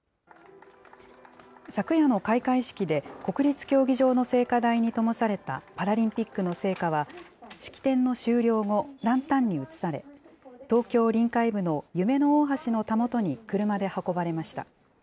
昨夜の開会式で国立競技場の聖火台にともされたパラリンピックの聖火は、式典の終了後、ランタンに移され、東京・臨海部の夢の大橋のたもとに車で運ばれました。